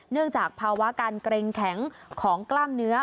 จากภาวะการเกรงแข็งของกล้ามเนื้อ